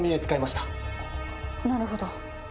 なるほど。